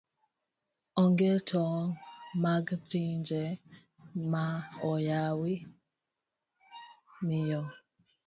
Onge tong' mag pinje ma oyawi omiyo